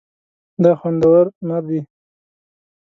دا خوندور نه دي